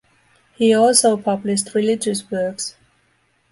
He also published religious works.